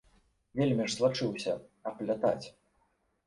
Вельмі ж злаўчыўся аплятаць.